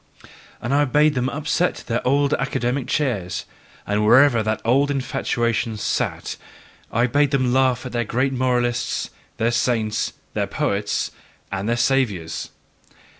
And I bade them upset their old academic chairs, and wherever that old infatuation had sat; I bade them laugh at their great moralists, their saints, their poets, and their Saviours.